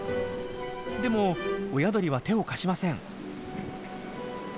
でも親鳥は手を貸しません。